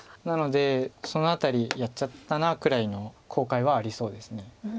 なので「その辺りやっちゃったな」くらいの後悔はありそうです。